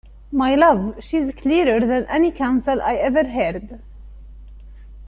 My love, she's clearer than any counsel I ever heard!